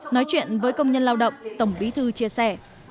nói chuyện với công nhân lao động tổng bí thư chia sẻ